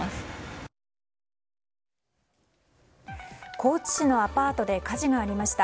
高知市のアパートで火事がありました。